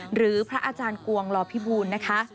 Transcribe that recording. หรือพระอาจารย์กวงลอพิบูลนะคะ